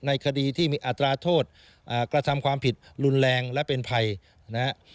คดีที่มีอัตราโทษกระทำความผิดรุนแรงและเป็นภัยนะฮะ